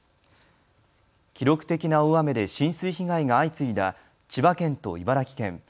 記録的な大雨で浸水被害が相次いだ千葉県と茨城県。